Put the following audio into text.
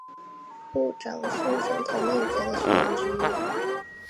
部长是总统内阁的成员之一。